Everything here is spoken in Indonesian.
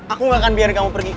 aku gak akan biar kamu pergi